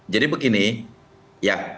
jadi begini ya